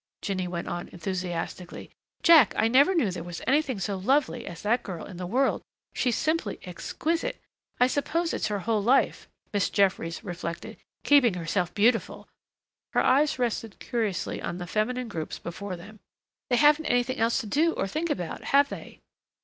Jinny went on enthusiastically. "Jack, I never knew there was anything so lovely as that girl in the world. She's simply exquisite.... I suppose it's her whole life," Miss Jeffries reflected, "keeping herself beautiful." Her eyes rested curiously on the feminine groups before them. "They haven't anything else to do or think about, have they?"